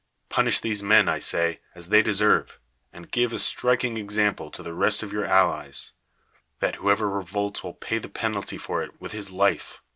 Punish these men, I say, as ihey deserve; and give a striking ex ample to the rest of your allies, that whoever re volts will pay the penalty for it with his life.